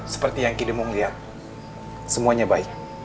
seperti yang kita melihat semuanya baik